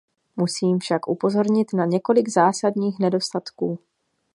Musím však upozornit na několik zásadních nedostatků.